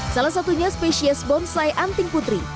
salah satunya spesies bonsai anting putri